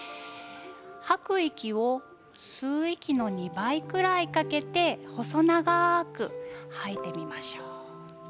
吐く息を吸う息の２倍ぐらいかけて細長く吐いてみましょう。